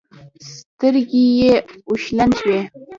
سترګې يې اوښلن شوې.